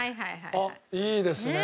あっいいですね。